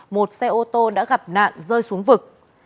một xe ô tô đã gặp nạn rơi xuống vực